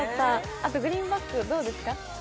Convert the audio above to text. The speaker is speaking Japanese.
あとグリーンバックどうですか？